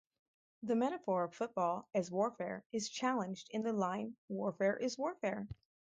The metaphor of football as warfare is challenged in the line warfare is warfare.